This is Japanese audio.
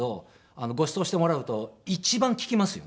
ごちそうしてもらうと一番効きますよね。